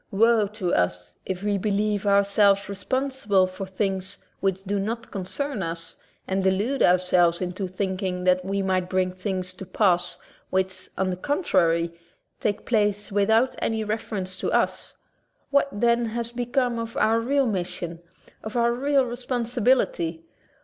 Woe to us if we believe ourselves responsible for things which do not concern us and delude ourselves into thinking that we bring things to pass which, on the contrary, take place without any refer ence to us. What, then, has become of our real mission, of our real responsibility?